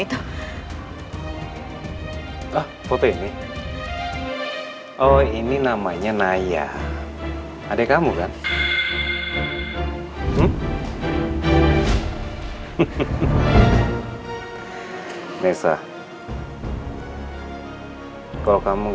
itu nantinya aja bahwa kamu kasih uangnya mati ada gak apa apa kalau ke vine